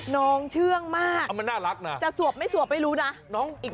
น้องเชื่องมากจะสวบไม่สวบไม่รู้นะอ่ะมันน่ารักนะ